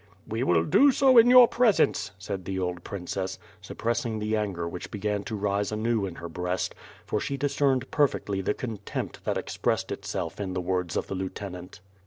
"We will do so in your presence," said the old princess, suppressing the anger which began to rise anew in her breast, for she discerned perfectly the contempt that expressed itself in the words of the lieutenant.